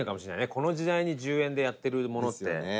この時代に１０円でやってるものって。